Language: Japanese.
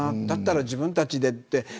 だったら自分たちでって。